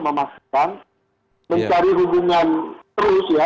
memastikan mencari hubungan terus ya